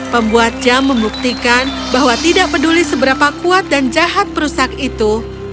pembuat jam membuktikan bahwa tidak peduli seberapa kuat dan jahat perusak itu